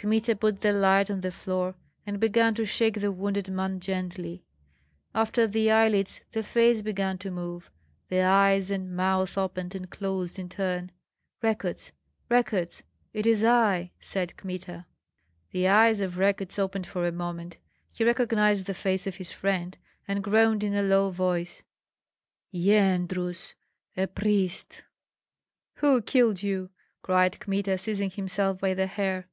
Kmita put the light on the floor and began to shake the wounded man gently. After the eyelids the face began to move, the eyes and mouth opened and closed in turn. "Rekuts, Rekuts, it is I!" said Kmita. The eyes of Rekuts opened for a moment; he recognized the face of his friend, and groaned in a low voice, "Yendrus a priest " "Who killed you?" cried Kmita, seizing himself by the hair.